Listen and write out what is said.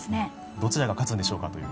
どちらが勝つんでしょうかという。